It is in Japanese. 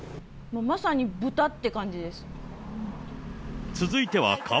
まさに豚って感じです。